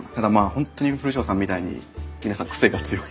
本当に古荘さんみたいに皆さん癖が強い。